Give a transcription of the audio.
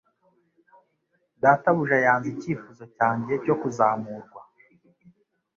Databuja yanze icyifuzo cyanjye cyo kuzamurwa.